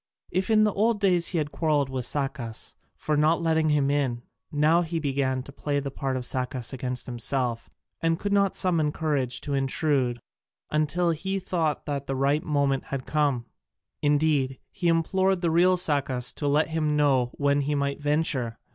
If in the old days he had quarrelled with Sacas for not letting him in, now he began to play the part of Sacas against himself, and could not summon courage to intrude until he thought the right moment had come: indeed, he implored the real Sacas to let him know when he might venture.